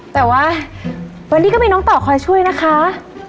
แต่ว่าวันนี้ก็มีน้องต่อคอยช่วยนะคะ